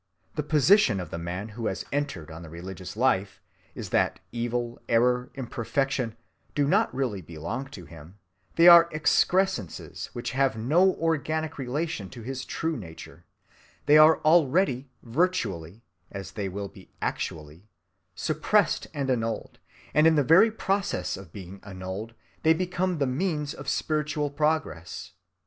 The position of the man who has entered on the religious life is that evil, error, imperfection, do not really belong to him: they are excrescences which have no organic relation to his true nature: they are already virtually, as they will be actually, suppressed and annulled, and in the very process of being annulled they become the means of spiritual progress.